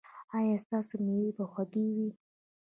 ایا ستاسو میوې به خوږې وي؟